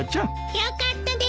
よかったでーす！